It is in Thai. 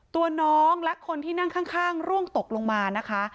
ตัวน้องและคนที่นั่งข้างร่วงตกลงมานะคะ